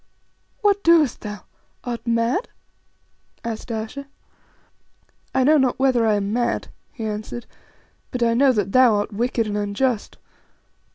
"What doest thou? Art mad?" asked Ayesha. "I know not whether I am mad," he answered, "but I know that thou art wicked and unjust.